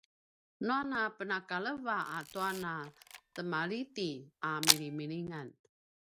nua na penakaleva atua na temaljiti a milimilingan